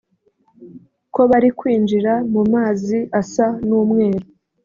ko bari kwinjira mu mazi asa n'umweru